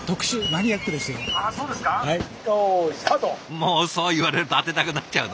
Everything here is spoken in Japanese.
もうそう言われると当てたくなっちゃうの。